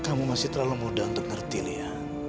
kamu masih terlalu muda untuk ngerti lia